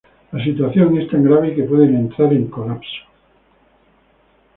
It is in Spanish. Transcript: La situación es tan grave que pueden entrar en colapso.